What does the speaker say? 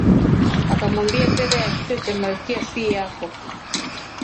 Akamwambia Fedha ya kichwa cha Malkia si yako